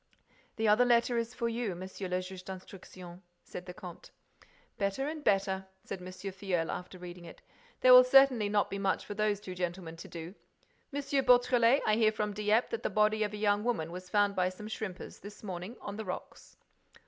"The other letter is for you, Monsieur le Juge d'Instruction," said the comte. "Better and better," said M. Filleul, after reading it. "There will certainly not be much for those two gentlemen to do. M. Beautrelet, I hear from Dieppe that the body of a young woman was found by some shrimpers, this morning, on the rocks."